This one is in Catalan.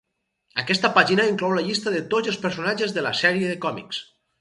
Aquesta pàgina inclou la llista de tots els personatges de la sèrie de còmics.